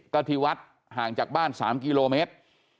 ตะพิวัฒน์ห่างจากบ้าน๓กิโลเมตร